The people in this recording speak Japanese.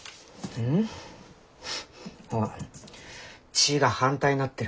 「ち」が反対になってる。